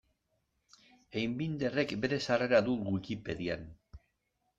Einbinderrek bere sarrera du Wikipedian.